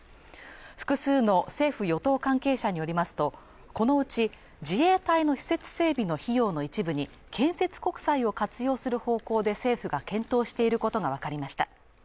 複数の政府与党関係者によりますとこのうち自衛隊の施設整備の費用の一部に建設国債を活用する方向で政府が検討していることが分かりました